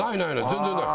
全然ない。